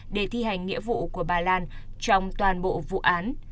để thi hành nghĩa vụ của bà lan trong toàn bộ vụ án